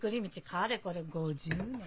かれこれ５０年。